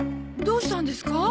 どうしたんですか？